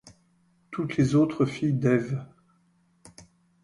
Toutes les autres filles d’Eve